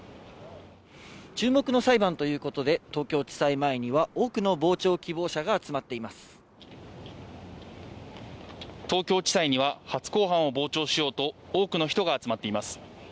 注目の裁判ということで、東京地裁前には多くの傍聴希望者が東京地裁には初公判を傍聴しようと多くの人が集まっています。